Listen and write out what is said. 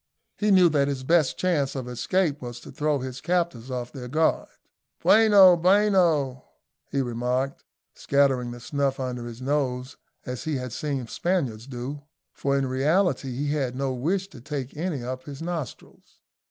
He knew that his best chance of escape was to throw his captors off their guard. "Bueno, bueno," he remarked, scattering the snuff under his nose as he had seen Spaniards do, for in reality he had no wish to take any up his nostrils.